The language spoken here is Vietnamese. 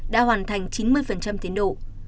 đã hoàn thành chín mươi tiến độ